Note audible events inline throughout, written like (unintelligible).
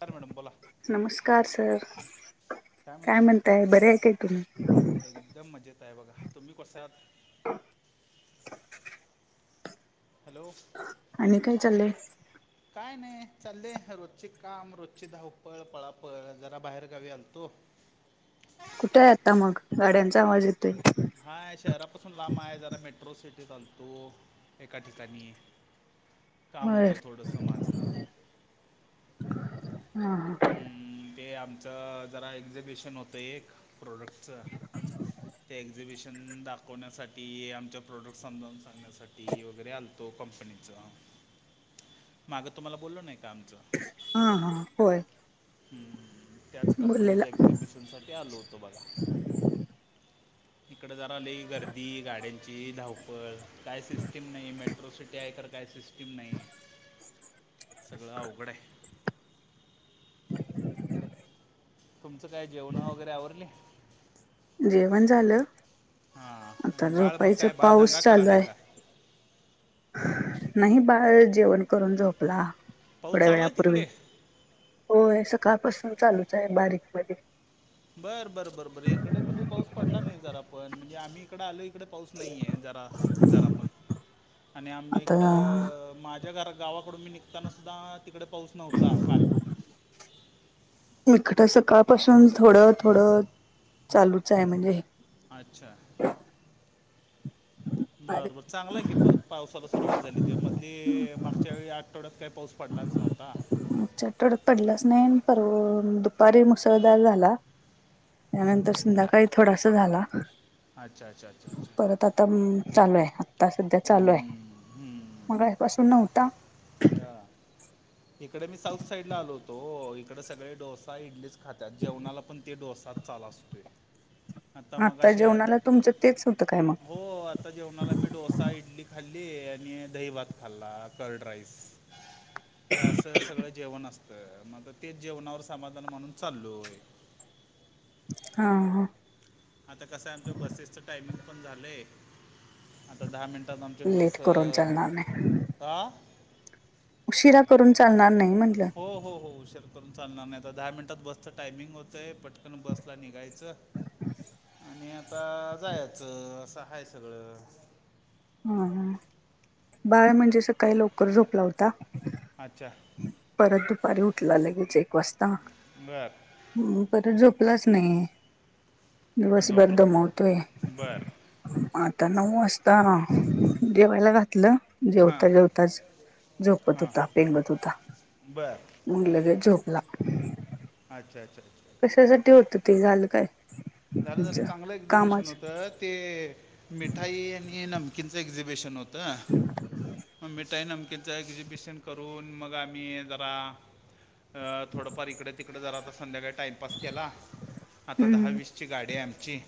Hello madam बोला. नमस्कार sir काय म्हणताय बर आहे काय तुम्ही एकदम मजेत आहे बघा तुम्ही कशे आहात. हॅलो आणि काय चाललंय. काय नाही चाललेय रोजचे काम रोजची धावपळ पळापळ जरा बाहेर गावी आलतो. कुठे आहे आता मग गाड्यांचा आवाज येतोय. हा शहरापासून लांब आहे जरा मेट्रो सिटी चालतो एका ठिकाणी काम बर होतं थोडंसं माझं हा ते आमचं जरा एक्झिबिशन होतं एक प्रोडक्टचं ते एक्झिबिशन दाखव. दाखवण्यासाठी आमच्या प्रोडक्ट समजावून सांगण्यासाठी वगैरे आलतो कंपनीचं. माग तुम्हाला बोललो नाही का आमचं. हा हा होय. त्याच बोललेला कंपनीचा एक्झिबिशनसाठी आलो होतो बघा. इकड जरा लई गर्दी गाड्यांची धावपळ काय सिस्टीम नाही मेट्रो सिटी आहे खर काय सिस्टीम नाही. सगळं अवघडे आहे. तुमचं काय जेवण वगैरे आवरले. जेवण झालं. हां आता आणि बाळ झोपा मग ईचा काय बाळ पाऊस दंगा चालू करायला आहे. का नाही बाळ जेवण करून झोपला. पाऊस थोड्या चालू आहे वेळापूर्वी तिकडे होय सकाळपासून चालूच आहे बारीक मधे बरं बर बर बर इकडे कुठे पाऊस पडला नाही जरा पण म्हणजे आम्ही इकडे आलोय. इकडे पाऊस नाही आहे जरा जरा पण आणि आमच्या आता इकडं माझ्या घरा गावाकडून मी निघताना सुुद्धा तिकडे पाऊस नव्हता काल इकडं सकाळपासून थोडं थोडं चालूच आहे म्हणजे अच्छा अरे बरबर चांगलाय की परत पावसाला सुरुवात झाली ते मधी मागच्या वेळी आठवड्यात काही पाऊस पडलाच नव्हता. अमच्या कड तर पडलंच नाही पर दुपारी मुसळधार झाला. त्यानंतर संध्याकाळी थोडासा झाला. अच्छ अच्छ अच्ा परत आता चालू आहे आता सध्या चालू आहे हम्म, हम्म. मगा पासून नव्हत. हा इकडे मी साऊथ साईड ला आलो होतो इकडे सगळे डोसा इडलीच खातात जेवणाला पण ते डोसा. चाल असतोय. मग आता असे जेवणाला तुमचं तेच होतं काय मग. हो आता जेवणाला मी डोसा इडली खाल्ली आणि दहीभात खाल्ला कर्ड राईस. हे असं सगळं जेवण असतं मग तेच जेवणावर समाधान म्हणून चाललोय आहे. हा हा आता कसं आहे आमच्या बसेसचं टायमिंग पण झालंय. आता दहा मिनिटात आमची बस लेट करून चालणार नाही ह. उशिरा करून चालणार नाही म्हटलं. हो हो हो उशर करून चालणार नाही तर दहा मिनिटात बसचं टायमिंग होतंय पटकन बसला निघायचं. आणि आतां जायचं असं हायं सगळं हं बाळं म्हणजे असं सकाळीं लवकरं झोपलां होतां अच्छा परंत दुपारी उठलां लगेचं एक वाजतां बर परंत झोपलांच नाहीं हा, दिवसंभर झोपलं दमंवतोय बर आतां नऊ वाजतां जेवायंला घातलं हां जेवतां जेवतांच झोपतं हां होतां पेंगत होतां बर मंग लंगेच झोपलां अच्छा अच्छा कशांसाठी होतं ते झालं कायं झालं झालं चांगलं एक्झिबिशंन होतं ते मिठांई आणि नमकीनचं एक्झिबिशंन होतं हम्मं मंग मिठांई नमकीेचं एक्झिबिशंन करूंन मंग आम्हीं जरां थोडंफांर ईकडे तिकडें जरां आतां संध्याकांळी टाईमपास केलां आतां दहा हम्म वीस आतां गांडी आहे आमची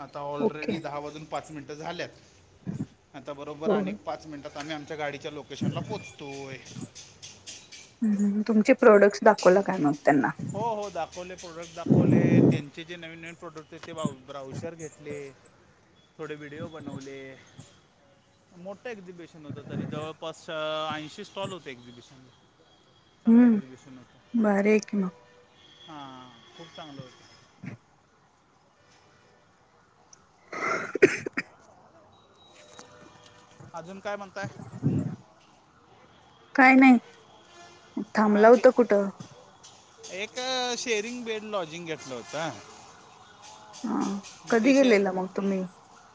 आतां ओके ऑलरेडी दहा वाजूंन पांच मिनटं झाल्यांत आं त्यां बरोबर हो हो. अंक पांच मिनिटांत आम्हीं आमच्यां गांडीच्या लोकेशंनला पोहोचतोयं हं तुमचे प्रोडक्टंस दाखवांल कायं मंग त्यांना हो हो दाखवले प्रोडक्टं दाखवले त्यांचे जे नवीन नवीन प्रोडक्टं ते ब्राऊशर घेतलें थोडे व्हिडिओ बनवले मोठं एक्झिबिशंन होतं तरी जवळंपासच्या ऐंशी स्टॉल होते एक्झिबिशंनला हम्मं भारी आहे की मंग हां खूंप चांगल होतं हम (unintelligible) (unintelligible) अजूंन कायं म्हणतांय कायं नाहीं हां ते एक शेरिंग बेड लॉजिंग घेतलं होतं हां कधीं गेलेलं मंग तुम्हीं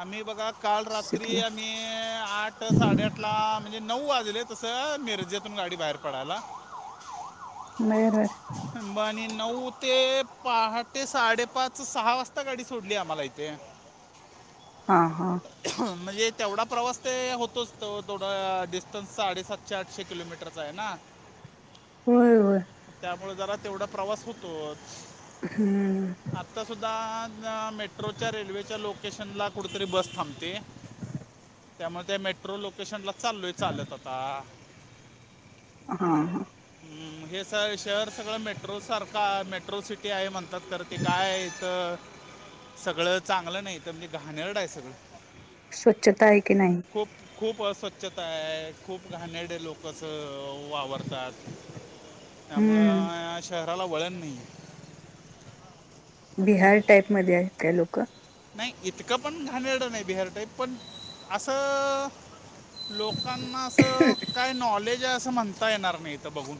आम्हीं बघां कांल रात्रीं (unintelligible) आंठ साडेआंठ लां म्हणजे नऊ वाजले तसं मीरजेतूंन गांडी बाहेर पडायंला मयां गांडीत बां आणि नऊ ते पहाटे साडेपांच सहां वाजंता गांडी सोडली आहे आम्हांला इथे हां हां म्हणंजे तेवढां प्रवांस ते होतोचं तं थोडां डिस्टन्स साडेसातं चारशे किलोमीटरचां आहे नां होयं होयं त्यांमुळें जरां तेवढां प्रवांस होतों हम्मं आत्तां सुद्धां मेट्रोच्यां रेल्वेच्यां लोकेशंनला कुठेतरी बसं थांबते त्यामुळें त्यां मेट्रो लोकेशंनला चालोय चालतं आतां हां हं हे सं शहर सगळं मेट्रो सारखं मेट्रो सिटी आहे म्हणतं तं करते कायं ईथ सगळं चांगलं नाहीं तरं म्हणजे घाणेरड आहे सगळं स्वच्छतां आहे की नाहीं खूंप खूंप अस्वच्छतां आहे खूंप घाणेडे लोकचं वावरतांत त्यांमुळं हम्म यां शहरांला वळणं नाहीं आहे बिहार टांईपमंध्यें आहेतं हे लोकं नाही इतकं पण घाणेडे नाही बिहार टाईप पण असं लोकांना असं काय नॉलेज आहे असं म्हणता येणार नाही तर बघून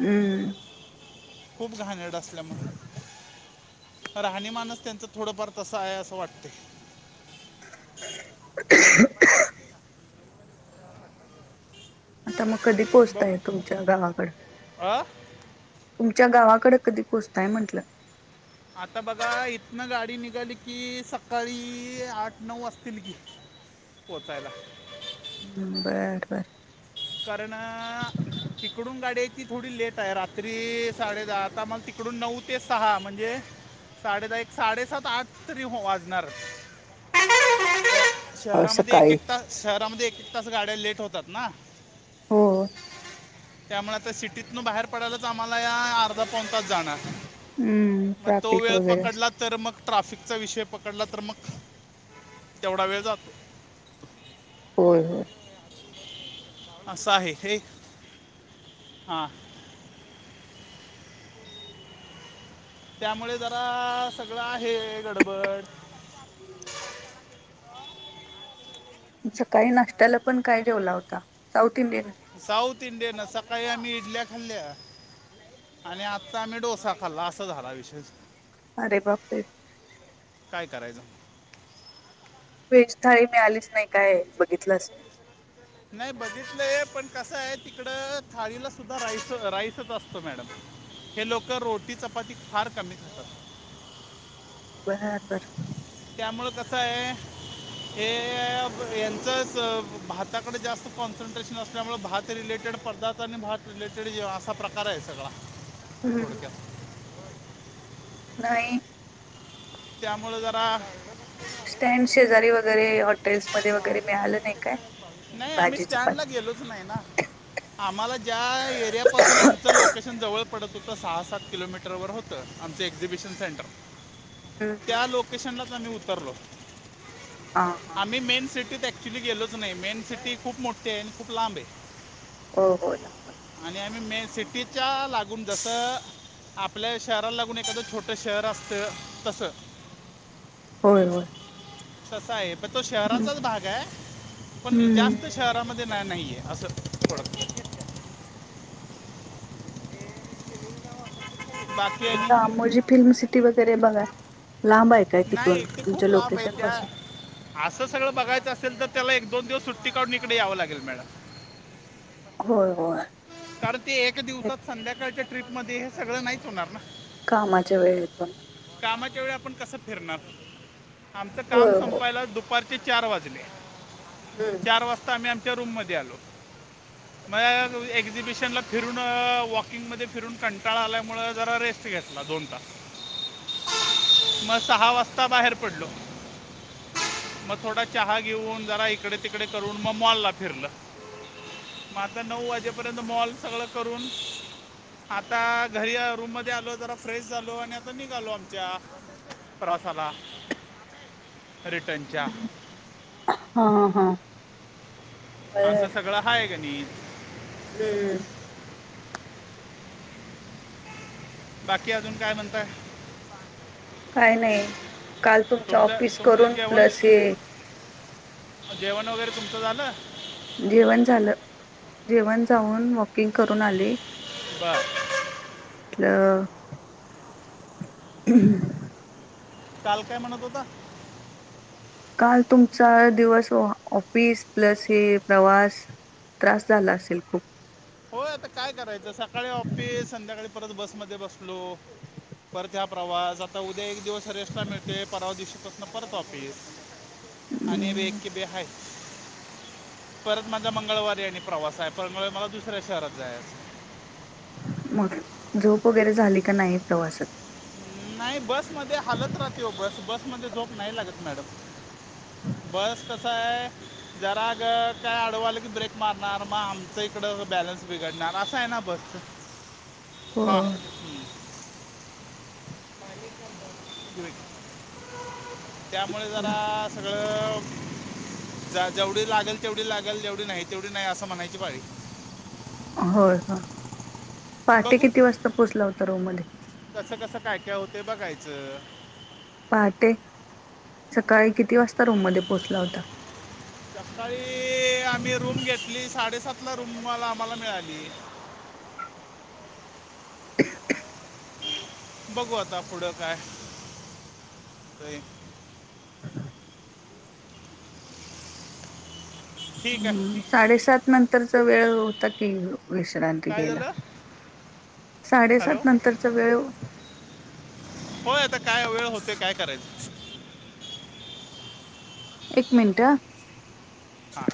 हम्म खूप घाणेडे असल्या मग राहणी माणच त्यांचं थोडंफार तस आहे असं वाटते आता मग कधी बघ पोहोचताय तुमच्या गावाकड अ? तुमच्या गावाकडे कधी पोचताय म्हटलं आता बघा इथनं गाडी निघाली की सकाळी आठ नऊ वाजतील की पोहोचायला हम् बर बर कारण तिकडून गाड्याची थोडी लेट आहे रात्री साडे दहा आता मग तिकडून नऊ ते सहा म्हणजे साडे दहा एक साडेसात आठ तरी हो वाजणार अ, शहरामध्ये एक सकाळी एक तास शहरामध्ये एक एक तास गाड्या लेट होतात ना हो त्यामुळे आता सिटीतून बाहेर पडायलाच आम्हाला या अर्धा पाऊन तास जाणार हम्म मग तो ट्राफिक वेळ वगैरे पकडला तर मग ट्राफिकचा विषय पकडला तर मग तेवढा वेळ जातो होय होय असं आहे हे हा त्यामुळे जरा सगळं आहे गडबड सकाळी नाशत्याला पण काय जेवला होता साऊथ इंडियन साऊथ इंडियन सकाळी आम्ही इडल्या खाल्ल्या आणि आत्ता आम्ही डोसा खाल्ला असा झाला विशेष अरे बापरे काय करायचं व्हेज थाळी काही मिळालीच नाही काय बघितलंच नाही नाही बघितलंय पण कसं आहे तिकड थाळीला सुद्धा राईस राईसच असतो मॅडम हे लोक रोटी चपाती फार कमी करतात बरबर त्यामुळे कस आहे हे यांच भाताकडे जास्त कॉन्सन्ट्रेशन असल्यामुळे भात ते रिलेटेड पदार्थ आणि भात रिलेटेड असा प्रकार आहे सगळा हम्म थोडक्यात नाही त्यामुळे जरा स्टँड शेजारी वगैरे हॉटेल्स मध्ये वगैरे मिळालं नाही काय नाही आम्ही भाजी स्टँड ला चपाती गेलोच नाही ना आम्हाला ज्या एरियापासून आमच लोक कशन जवळ पडत होतं सहा सात किलोमीटरवर होतं आमचं एक्झिबिशन सेंटर हम्म त्या हम्म. लोकेशनलाच आम्ही उतरलो हां हां आम्ही मेन सिटीत ॲक्च्युली गेलोच नाही मेन सिटी खूप मोठी आहे आणि खूप लांब आहे हो हो जा आणि आम्ही मेन सिटीच्या लागून जसं आपल्या शहराला लागून एखादं छोट शहर असतं तस होय होय तसा आहे पण तो हम्म शहराचाच बाहेर पण हम्म. जास्त शहरामध्ये नाही नाहीये असं थोड ह रामोजी फिल्म सिटी वगैरे बघा लांब आहे काय तिथून नाही ते तुमच खूप लांब आहे लोकेशन त्या पासून असं सगळं बघायच असेल तर त्याला एक दोन दिवस सुट्टी काढून इकडे यावं लागेल मॅडम हो होय कारण ते एक हे दिवसात संध्याकाळच्या ट्रिप मध्ये हे सगळं नाहीच होणार ना कामाच्या वेळ येतून कामाच्या वेळी आपण कस फिरणार आमच होय काम हो संपायला दुपार ते चार वाजले हम्म चार वाजता आम्ही आमच्या रूममध्ये आलो म एक एक्झिबिशनला फिरून वॉकिंगमध्ये फिरून कंटाळा आल्यामुळ जरा रेस्ट घेतला दोन तास (inaudible) मग सहा वाजता बाहेर पडलो मग थोडा चहा घेऊन जरा इकडे तिकडे करून मग मलला फिरलं म आता नऊ वाजेपर्यंत मॉल सगळं करून आता घरी रूम मध्ये आलो जरा फ्रेश झालो आणि आता निघालो आमच्या प्रवासाला (inaudible) रिटनच्या हा हा असं सगळं हा आहे का नी हम्मम बाकी अजून काय म्हणताय काय नाही काल तुमच तुमचं ऑफिस तुमचं करून जेवण प्लस ये जेवण वगैरे तुमचं झालं जेवण झालं जेवण जाऊन वॉकिंग करून आले बार म्हलं हम् काल काय म्हणत होता काल तुमचा दिवस ऑफिस प्लस हे प्रवास त्रास झाला असेल खूप होय आता काय करायचं सकाळी ऑफिस संध्याकाळी परत बसमध्ये बसलो परत हा प्रवास आता उद्या एक दिवस रेस्टला मिळते परावा दिव शतत ना परत ऑफिस अनेब एक अं, की बेहाा परत माझा मंगळवारी या आणि प्रवास आहे परंत मला दुसऱ्या शहरात जायचं मग झोप वगैरे झाली का नाही प्रवासात जायचं नाही बसमध्ये हालत राहते हो बस बसमध्ये झोप नाही लागत मॅडम बस कस आहे जराग काय आडव की ब्रेक मारणार मग आमचं इकड बॅलन्स बिघडणार असं आहे ना बस (inaudible) हा (unintelligible) त्यामुळे जरा सगळं जेवढी लागेल तेवढी लागेल जेवढी नाही तेवढी नाही असं म्हणायची पाळी होय हा पहाटे किती वाजता पोहोचला होता रूम मध्ये? कसं-कसं काय-काय होते बघायचं. पहाटे सकाळी किती वाजता रूम मध्ये पोहोचला होता? सकाळी आम्ही रूम घेतली साडेसात ला रूमला आम्हाला मिळाली. बघू आता पुढं काय? (inaudible) ठीक आहे हम्म साडेसात नंतरचा वेळ होता की विश्रांती काय घ्यायला. झालं हॅलो साडेसात नंतरचा वेळ होय आता काय वेळ होतय काय कराय एक मिनट. हा.